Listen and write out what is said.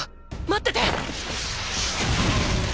待ってて！！